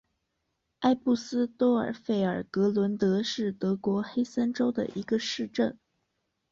埃布斯多尔费尔格伦德是德国黑森州的一个市镇。